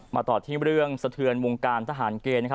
ต่อที่เรื่องสะเทือนวงการทหารเกณฑ์นะครับ